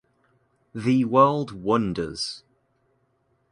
The world wonders.